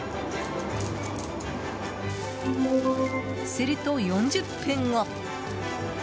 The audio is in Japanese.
すると４０分後。